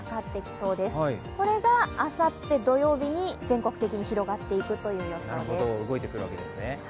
それがあさって土曜日に全国的に広がっていくという予想です。